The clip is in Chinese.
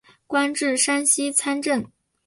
官至山西参政。